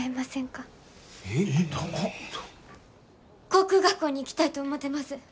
航空学校に行きたいと思てます。